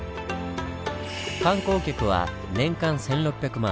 観光客は年間１６００万。